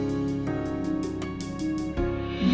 mbak catherine kita mau ke rumah